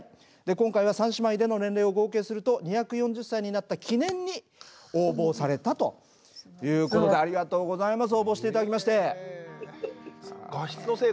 今回は三姉妹での年齢を合計すると２４０歳になった記念に応募をされたということでありがとうございます応募して頂きまして。